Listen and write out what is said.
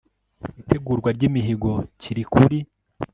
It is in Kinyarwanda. itegurwa ry imihigo kiri kuri